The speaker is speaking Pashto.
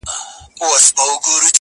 په ارغوان به ښکلي سي غیږي -